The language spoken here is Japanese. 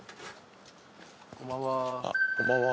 こんばんは。